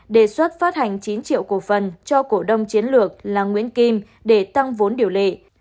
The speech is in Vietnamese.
đề xuất phát hành chín triệu cổ phần cho cổ đông chiến lược là nguyễn kim để tăng vốn điều lệ